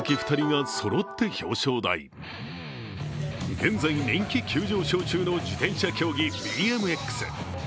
現在、人気急上昇中の自転車競技ＢＭＸ。